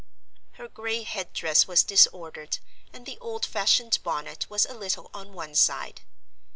Her gray head dress was disordered, and the old fashioned bonnet was a little on one side.